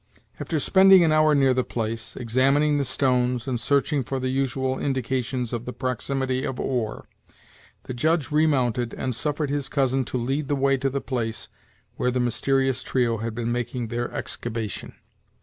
After spending an hour near the place, examining the stones, and searching for the usual indications of the proximity of ore, the Judge remounted and suffered his cousin to lead the way to the place where the mysterious trio had been making their excavation.